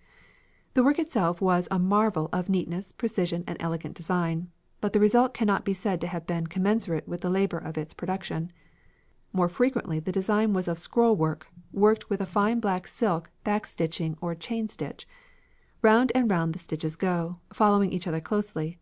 Colours: red and green] "The work itself was a marvel of neatness, precision, and elegant design, but the result cannot be said to have been commensurate with the labour of its production. More frequently the design was of scrollwork, worked with a fine black silk back stitching or chain stitch. Round and round the stitches go, following each other closely.